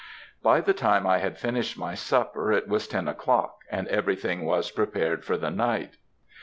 "By the time I had finished my supper it was ten o'clock, and every thing was prepared for the night.